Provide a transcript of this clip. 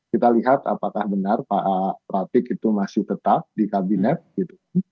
kita lihat apakah benar pak pratik itu masih tetap di kabinet gitu